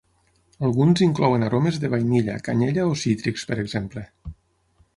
Alguns inclouen aromes de vainilla, canyella o cítrics, per exemple.